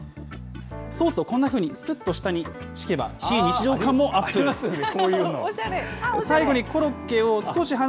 ソースをこんなふうに、すっと下に敷けば、非日常感もアップです。